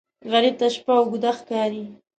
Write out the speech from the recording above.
غریب ته شپه اوږده ښکاري